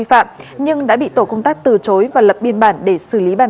là cần thiết nhằm đảm bảo